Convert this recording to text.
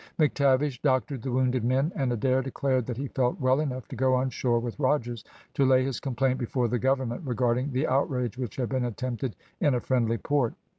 McTavish doctored the wounded men, and Adair declared that he felt well enough to go on shore with Rogers to lay his complaint before the Government regarding the outrage which had been attempted in a friendly port.